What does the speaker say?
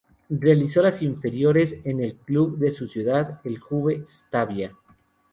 Realizó las inferiores en el club de su ciudad, el Juve Stabia.